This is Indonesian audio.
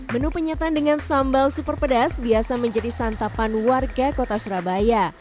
menu penyetan dengan sambal super pedas biasa menjadi santapan warga kota surabaya